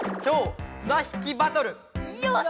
よし！